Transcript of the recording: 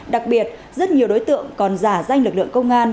đặc biệt rất nhiều đối tượng còn giả danh lực lượng công an